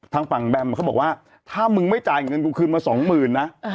ทางฝั่งแบมเขาบอกว่าถ้ามึงไม่จ่ายเงินกูคืนมาสองหมื่นนะ